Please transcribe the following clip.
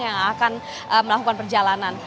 yang akan melakukan perjalanan